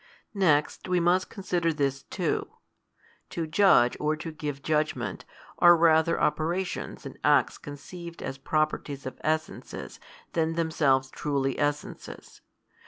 Next we must consider this too. To judge or to give judgment, are rather operations and acts conceived as properties of essences than themselves truly essences.